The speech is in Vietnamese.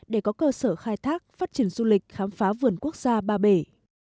để có cơ sở khai thác phát triển du lịch khám phá vườn quốc gia ba bể